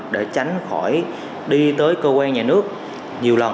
để tránh khỏi đi tới cơ quan nhà nước nhiều lần